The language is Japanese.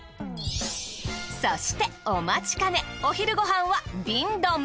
そしてお待ちかねお昼ご飯は瓶ドン。